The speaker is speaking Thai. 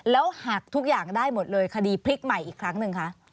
แล้วหักทุกอย่างได้หมดเลยคดีพลิกใหม่อีกครั้งหนึ่งคะ